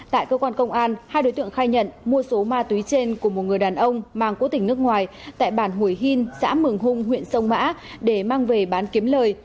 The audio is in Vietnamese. tại cơ quan công an hai đối tượng khai nhận mua số ma túy trên của một người đàn ông mang quốc tỉnh nước ngoài tại bản hủy hìn xã mường hung huyện sông mã để mang về bán kiếm lời